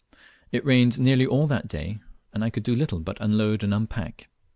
It rained nearly all that day, and I could do little but unload and unpack.